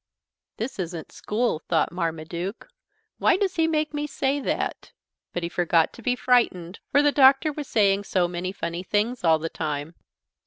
"This isn't school," thought Marmaduke, "why does he make me say that?" But he forgot to be frightened, for the Doctor was saying so many funny things all the time.